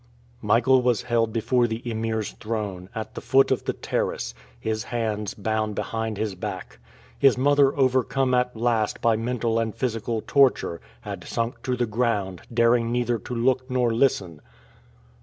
MICHAEL was held before the Emir's throne, at the foot of the terrace, his hands bound behind his back. His mother overcome at last by mental and physical torture, had sunk to the ground, daring neither to look nor listen.